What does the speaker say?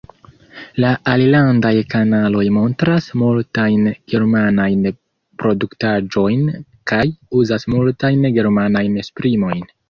La alilandaj kanaloj montras multajn germanajn produktaĵojn kaj uzas multajn germanajn esprimojn.